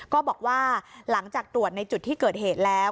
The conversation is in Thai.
ก็บอกว่าหลังจากตรวจในจุดที่เกิดเหตุแล้ว